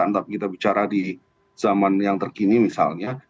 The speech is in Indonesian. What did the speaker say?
tapi kita bicara di zaman yang terkini misalnya